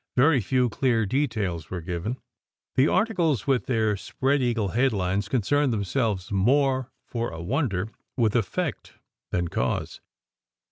Very few clear details were given. The articles with their spread eagle headlines concerned themselves more for a wonder with effect than cause.